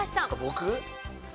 僕？